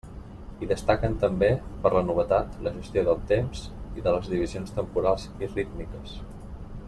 Hi destaquen també, per la novetat, la gestió del temps i de les divisions temporals i rítmiques.